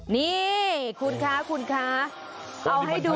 นี่คุณค่ะเอาให้ดู